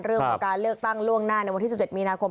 เรื่องของการเลือกตั้งล่วงหน้าในวันที่๑๗มีนาคม